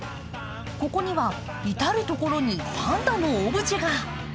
ここには至る所にパンダのオブジェが。